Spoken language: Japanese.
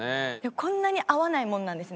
こんなに会わないもんなんですね。